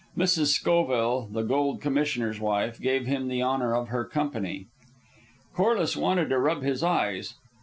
Mrs. Schoville, the Gold Commissioner's wife, gave him the honor of her company. Corliss wanted to rub his eyes.